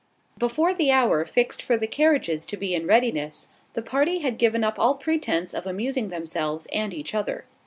Before the hour fixed for the carriages to be in readiness, the party had given up all pretence of amusing themselves and each other.